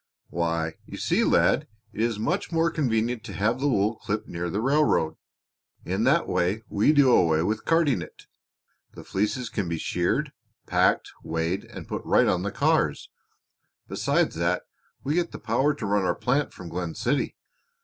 "Why, you see, lad, it is much more convenient to have the wool clipped near the railroad. In that way we do away with carting it. The fleeces can be sheared, packed, weighed, and put right on the cars. Beside that, we get the power to run our plant from Glen City.